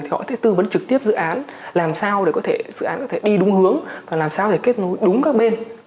thì họ có thể tư vấn trực tiếp dự án làm sao để có thể dự án có thể đi đúng hướng và làm sao để kết nối đúng các bên